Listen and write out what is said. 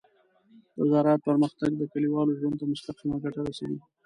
د زراعت پرمختګ د کليوالو ژوند ته مستقیمه ګټه رسوي.